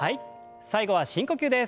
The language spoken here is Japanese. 最後は深呼吸です。